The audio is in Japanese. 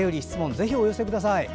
ぜひお寄せください。